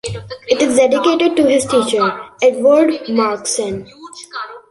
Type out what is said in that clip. It is dedicated to his teacher, Eduard Marxsen.